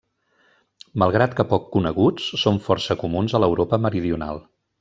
Malgrat que poc coneguts, són força comuns a l'Europa meridional.